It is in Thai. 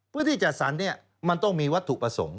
พื้นที่จัดสรรมันต้องมีวัตถุประสงค์